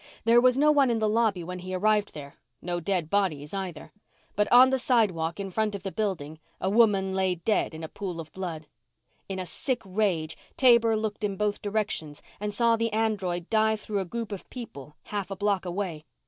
There was no one in the lobby when he arrived there no dead bodies, either. But on the sidewalk, in front of the building, a woman lay dead in a pool of blood. In a sick rage, Taber looked in both directions and saw the android dive through a group of people half a block away.